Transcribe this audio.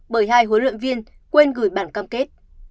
bởi hai huấn luyện viên quên gửi bản cam kết